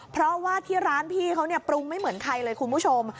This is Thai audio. เพราะว่าที่ร้านพี่เขาเนี่ยปรุงไม่เหมือนใครเลยคุณผู้ชม